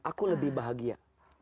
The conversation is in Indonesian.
aku lebih bahagia